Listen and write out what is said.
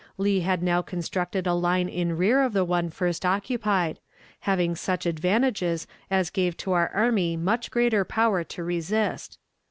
Lee had now constructed a line in rear of the one first occupied, having such advantages as gave to our army much greater power to resist.